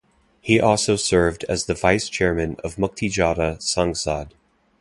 He also served as the vice chairman of Muktijoddha Sangsad.